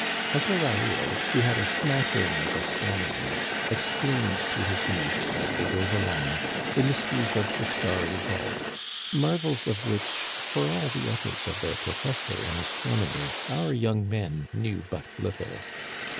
Uncle Raoul, who had a smat tering of astronomy, explained to his niece, as they drove along, the mysteries of the starry vault, marvels of which, for all the efforts of their professor in astronomy, our young men knew but little.